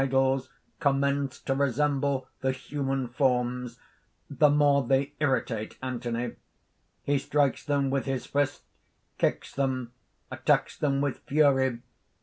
_The more that the idols commence to resemble the human forms, the more they irritate Anthony. He strikes them with his fist, kicks them, attacks them with fury.